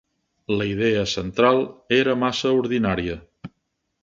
La idea central era massa ordinària".